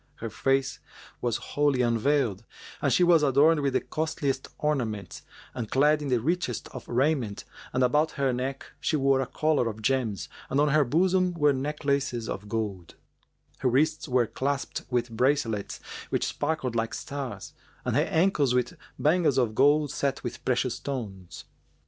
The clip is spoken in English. Her face was wholly unveiled, and she was adorned with the costliest ornaments and clad in the richest of raiment and about her neck she wore a collar of gems and on her bosom were necklaces of gold; her wrists were clasped with bracelets which sparkled like stars, and her ankles with bangles of gold set with precious stones.